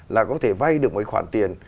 là có thể vay được mấy khoản tiền